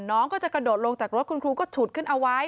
น้องก็จะกระโดดลงจากรถคุณครูก็ฉุดขึ้นเอาไว้